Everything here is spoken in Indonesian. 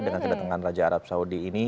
dengan kedatangan raja arab saudi ini